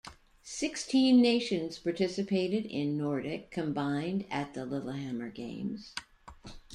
Sixteen nations participated in nordic combined at the Lillehammer Games.